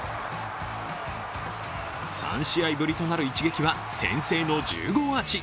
３試合ぶりとなる一撃は先制の１０号アーチ。